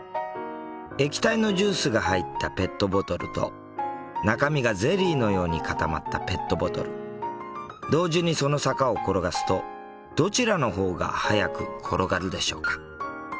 液体のジュースが入ったペットボトルと中身がゼリーのように固まったペットボトル同時にその坂を転がすとどちらの方が速く転がるでしょうか？